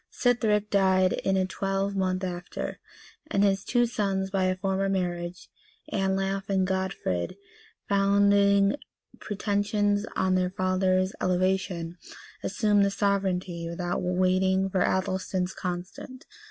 Sithric died in a twelvemonth after; and his two sons by a former marriage, Anlaf and Godfrid, founding pretensions on their father's elevation, assumed the sovereignty, without waiting for Athelstan's consent.